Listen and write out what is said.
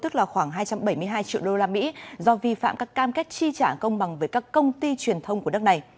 tức là khoảng hai trăm bảy mươi hai triệu đô la mỹ do vi phạm các cam kết chi trả công bằng với các công ty truyền thông của nước này